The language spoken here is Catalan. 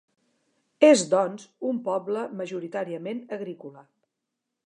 És, doncs, un poble majoritàriament agrícola.